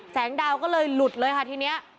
ดาวก็เลยหลุดเลยค่ะทีนี้